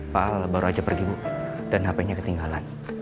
pak al baru aja pergi bu dan hpnya ketinggalan